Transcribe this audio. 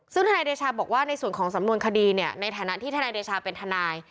ซึ่งธนายเดชาบอกว่าในส่วนของสำนวนคดีเนี่ยในฐานะที่ทนายเดชาเป็นทนาย